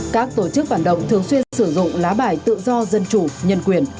các tổ chức phản động thường xuyên sử dụng lá bài tự do dân chủ nhân quyền